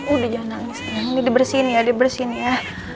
udah jangan nangis ini dibersihin ya